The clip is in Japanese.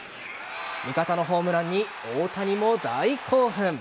味方のホームランに大谷も大興奮。